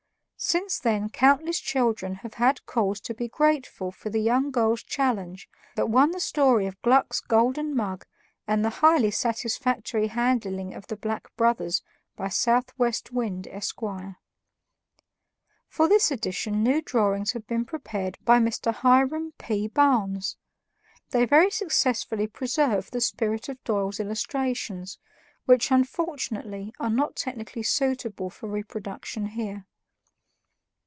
Since then countless children have had cause to be grateful for the young girl's challenge that won the story of Gluck's golden mug and the highly satisfactory handling of the Black Brothers by Southwest Wind, Esquire. For this edition new drawings have been prepared by Mr. Hiram P. Barnes. They very successfully preserve the spirit of Doyle's illustrations, which unfortunately are not technically suitable for reproduction here.